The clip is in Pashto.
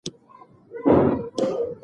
پټه صدقه د اللهﷻ غضب سړوي.